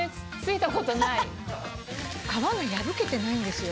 皮が破けてないんですよ。